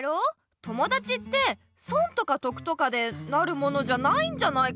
友だちって損とか得とかでなるものじゃないんじゃないかなあ。